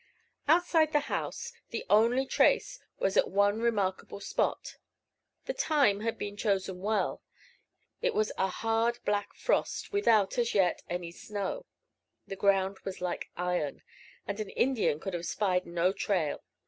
Outside the house, the only trace was at one remarkable spot. The time had been chosen well. It was a hard black frost, without, as yet, any snow. The ground was like iron, and an Indian could have spied no trail.